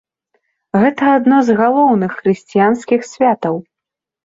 Гэта адно з галоўных хрысціянскіх святаў.